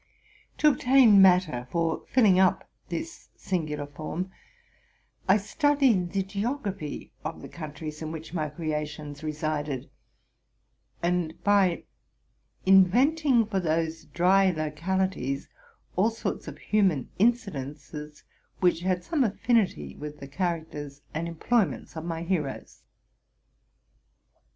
To obtain matter for fillmg up this singular form, I studied the geography of the countries in which my creations re sided, and by inventing for those dry localities all sorts of human ineidents which had some affinity with the characters and employments of my heroes.